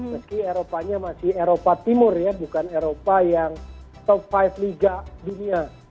meski eropanya masih eropa timur ya bukan eropa yang top lima liga dunia